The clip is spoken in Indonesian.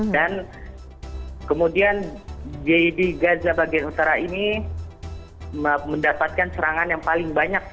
dan kemudian di gaza bagian utara ini mendapatkan serangan yang paling banyak